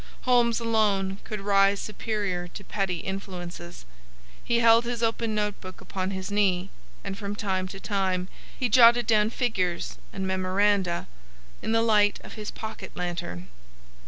Holmes alone could rise superior to petty influences. He held his open note book upon his knee, and from time to time he jotted down figures and memoranda in the light of his pocket lantern.